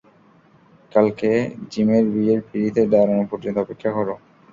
কালকে জিমেরবিয়ের পিড়িতে দাঁড়ানো পর্যন্ত অপেক্ষা করো।